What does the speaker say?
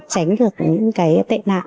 tránh được những cái tệ nạn